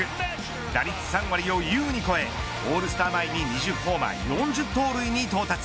打率３割をゆうに超えオールスター前に２０ホーマー４０盗塁に到達。